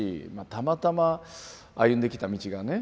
たまたま歩んできた道がね